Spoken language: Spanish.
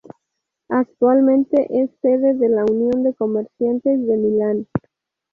Actualmente es sede de la Unión de Comerciantes de Milán.